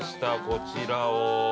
こちらを。